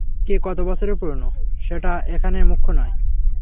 কে কত বছরের পুরোনো, সেটা এখানে মুখ্য নয়।